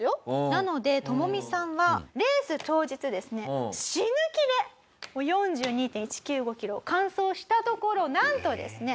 なのでトモミさんはレース当日ですね死ぬ気で４２．１９５キロを完走したところなんとですね